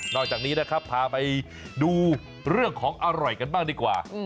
จากนี้นะครับพาไปดูเรื่องของอร่อยกันบ้างดีกว่า